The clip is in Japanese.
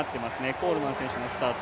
コールマン選手がスタート